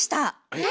えっ！